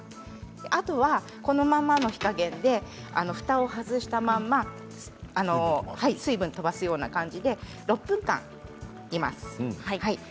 あとは、このままの火加減でふたを外したまま水分を飛ばすような感じで６分間、煮ます。